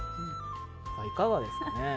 いかがですかね？